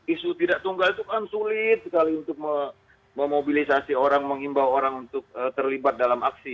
isu tidak tunggal itu kan sulit sekali untuk memobilisasi orang mengimbau orang untuk terlibat dalam aksi